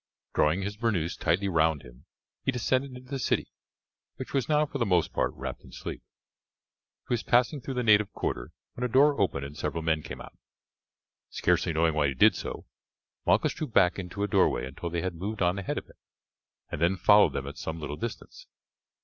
Drawing his bernous tightly round him he descended into the city, which was now for the most part wrapped in sleep. He was passing through the native quarter when a door opened and several men came out. Scarcely knowing why he did so Malchus drew back into a doorway until they had moved on ahead of him, and then followed them at some little distance.